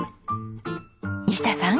西田さん。